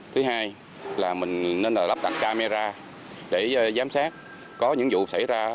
thứ hai là mình nên là lắp đặt camera để giám sát có những vụ xảy ra